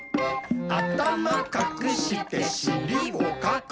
「あたまかくしてしりもかく！」